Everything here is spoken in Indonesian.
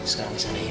sekarang kesana ya